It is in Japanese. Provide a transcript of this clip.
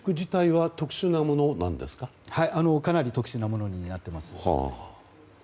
はい、かなり特殊なものになっています。